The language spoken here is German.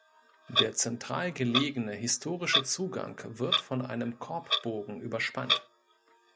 Der zentral gelegene historische Zugang wird von einem Korbbogen überspannt.